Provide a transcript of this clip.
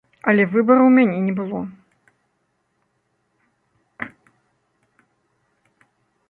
Але выбару ў мяне не было.